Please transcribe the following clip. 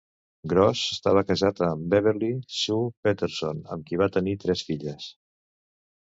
Gross estava casat amb Beverly Sue Peterson, amb qui va tenir tres filles.